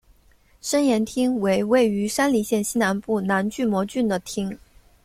身延町为位于山梨县西南部南巨摩郡的町。